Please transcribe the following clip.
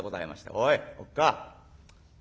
「おいおっかあ。